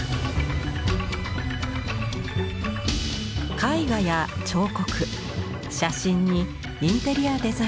絵画や彫刻写真にインテリアデザイン。